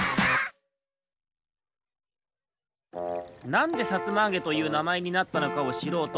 なんで「さつまあげ」というなまえになったのかをしろうと